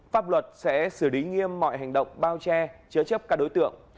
pháp luật sẽ xử lý nghiêm mọi hành động bao che chứa chấp các đối tượng